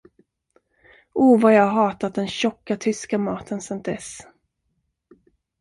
O, vad jag har hatat den tjocka tyska maten sedan dess.